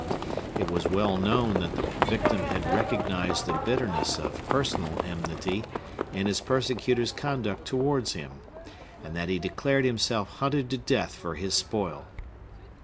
It was well known that the victim had recognized the bitterness of personal enmity in his persecutor's conduct towards him, and that he declared himself hunted to death for his spoil.